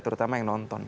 terutama yang nonton